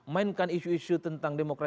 mainkan isu isu tentang demokrasi